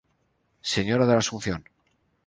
Señora de la Asunción.